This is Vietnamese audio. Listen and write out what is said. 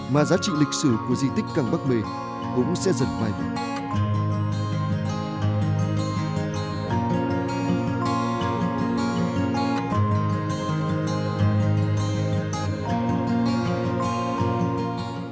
mà giá trị lịch sử của di tích căng bắc mê cũng sẽ dần mai vui